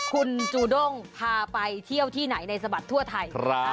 คุณจูด้งพาไปเที่ยวที่ไหนในสบัดทั่วไทย